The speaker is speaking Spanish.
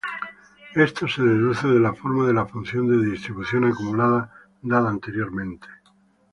Esto se deduce de la forma de la función de distribución acumulada dada anteriormente.